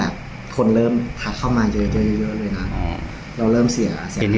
บอกใช่